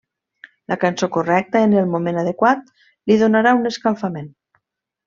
La cançó correcta en el moment adequat li donarà un escalfament.